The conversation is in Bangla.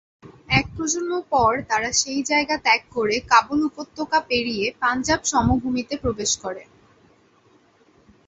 এক প্রজন্ম পর তারা সেই জায়গা ত্যাগ করে কাবুল উপত্যকা পেরিয়ে পাঞ্জাব সমভূমিতে প্রবেশ করে।